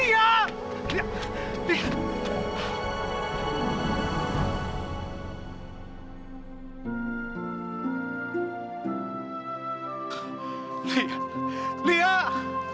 kita akan berpisah